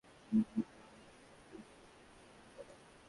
মহাবিশ্বের জন্মটা হয়েছিল একটা বিন্দু থেকে বিস্ফোরণের ফলে।